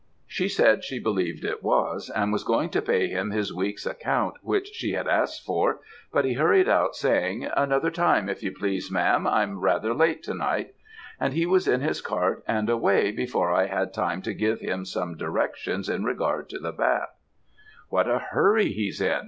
"She said she believed it was, and was going to pay him his week's account, which she had asked for, but he hurried out, saying, 'Another time, if you please, Ma'am; I'm rather late to night;' and he was in his cart and away before I had time to give him some directions in regard to the bat. "'What a hurry he's in!'